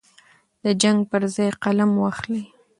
د جنګ پر ځای قلم واخلئ.